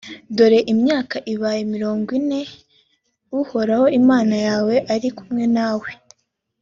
dore imyaka ibaye mirongo ine uhoraho imana yawe ari kumwe nawe